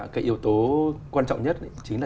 cái yếu tố quan trọng nhất chính là